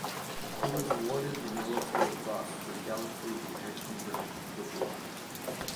He was awarded the Military Cross for gallantry in action during the war.